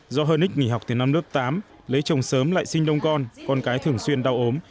do hân ních nghỉ học từ năm lớp tám lấy chồng sớm lại sinh đông con con gái thường xuyên đau ốm